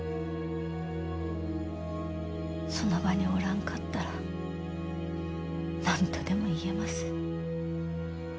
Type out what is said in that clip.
その場におらんかったらなんとでも言えます。